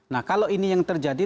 nah kalau ini yang terjadi